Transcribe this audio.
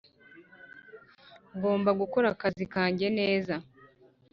Ngomba gukora akazi kanjye neza